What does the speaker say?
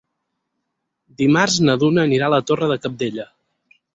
Dimarts na Duna anirà a la Torre de Cabdella.